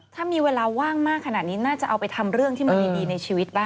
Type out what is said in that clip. ถ้ามีเวลาว่างมากขนาดนี้น่าจะเอาไปทำเรื่องที่มันดีในชีวิตบ้าง